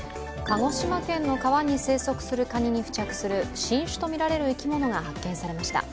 鹿児島県の川に生息するカニに付着する新種とみられる生き物が発見されました。